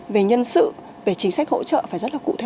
về nhân sự về chính sách hỗ trợ phải rất là cụ thể